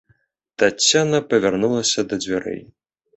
Таццяна павярнулася да дзвярэй.